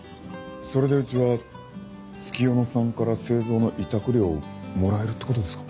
それでうちは月夜野さんから製造の委託料をもらえるってことですか？